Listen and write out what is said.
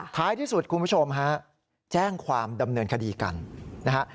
ท้ายที่สุดคุณผู้ชมฮะแจ้งความดำเนินคดีกันนะฮะ